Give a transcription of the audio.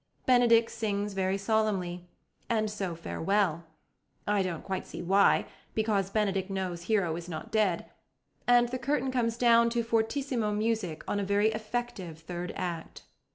Benedick sings very solemnly "And so farewell" (I don't quite see why, because Benedick knows Hero is not dead), and the curtain comes down to fortissimo music on a very effective third act.